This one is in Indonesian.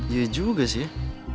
iya juga sih